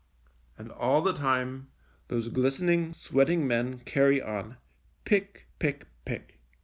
And all the time those glistening, sweating men carry on — pick, pick, pick.